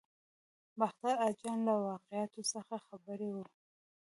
باختر اجان له واقعاتو څخه خبر وي.